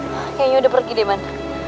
kayanya udah pergi deh man